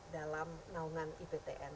dalam naungan iptn